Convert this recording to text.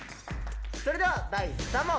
それでは第３問。